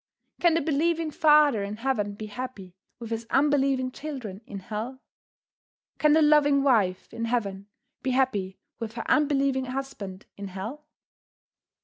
Can the believing father in heaven be happy with his unbelieving children in hell? Can the loving wife in heaven be happy with her unbelieving husband in hell?"